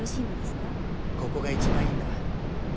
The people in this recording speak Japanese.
ここが一番いいんだ。